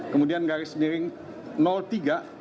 kemudian garis miring tiga